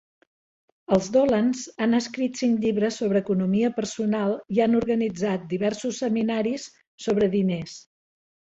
Els Dolans han escrit cinc llibres sobre economia personal i han organitzat diversos seminaris sobre diners.